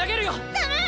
「ダメ！